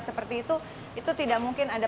seperti itu itu tidak mungkin ada